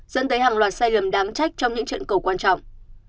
dẫn tới hàng loạt sai lầm đám trách trong những trận cầu quan trọng